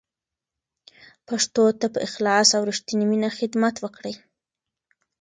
پښتو ته په اخلاص او رښتینې مینه خدمت وکړئ.